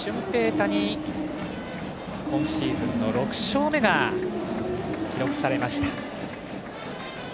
大に今シーズンの６勝目が記録されました。